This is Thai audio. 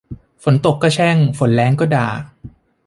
ฝนตกก็แช่ง ฝนแล้งก็ด่า